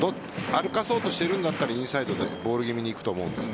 歩かせようとしているんだったらインサイドでボール気味にいくと思うんです。